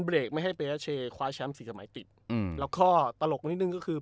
แล้วก็ตลกนิดนึงก็คือ